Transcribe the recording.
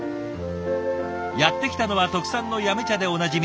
やって来たのは特産の八女茶でおなじみ